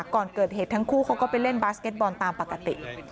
ก่อนเกิดเหตุทั้งคู่เขาก็ไปเล่นบาสเก็ตบอลตามปกติ